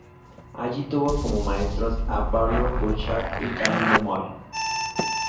Allí tuvo como maestros a Pablo Burchard y Camilo Mori.